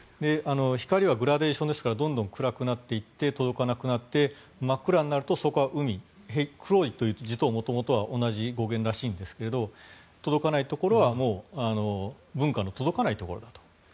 光はグラデーションですからどんどん暗くなっていって届かなくなって、真っ暗になるとそこは海黒いという字と同じ語源らしいんですが届かないところはもう文化の届かないところだと。